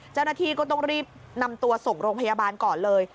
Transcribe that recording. เจ้าหน้าที่ก็ต้องรีบนำตัวส่งโรงพยาบาลก่อนเลย